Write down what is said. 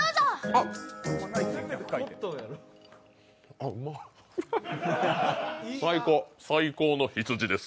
あっ、うま最高の羊です